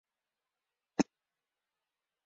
Later work has refined Witten's proposal.